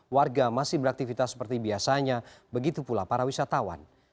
warga masih beraktivitas seperti biasanya begitu pula para wisatawan